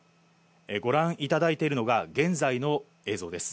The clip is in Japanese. ご覧いただいているのが現在の映像です。